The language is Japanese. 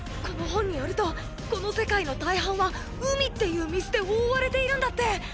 この本によるとこの世界の大半は「海」っていう水で覆われているんだって！